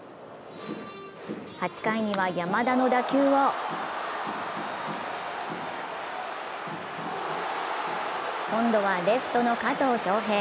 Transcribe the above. ８回には山田の打球を今度はレフトの加藤翔平。